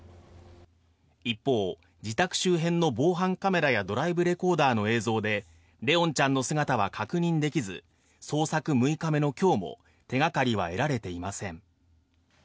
一方、自宅周辺の防犯カメラやドライブレコーダーの映像で怜音ちゃんの姿は確認できず、捜索６日目の今日も手掛かりは得られていません。